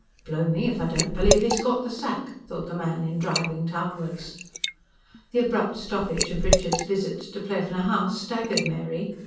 "Blow me, if I don't believe he's got the sack!" thought the man in driving townwards. The abrupt stoppage of Richard's visits to Plevna House staggered Mary.